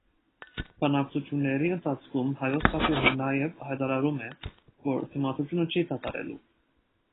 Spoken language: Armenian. Բանակցությունների ընթացքում հայոց թագուհին նաև հայտարարում է, որ դիմադրությունը չի դադարելու։